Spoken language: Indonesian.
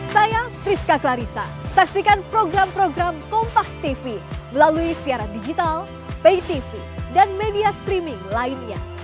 saya priska clarissa saksikan program program kompas tv melalui siaran digital pay tv dan media streaming lainnya